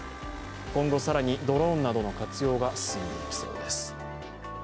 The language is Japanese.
今後更にドローンなどの活用が進んでいきそうです。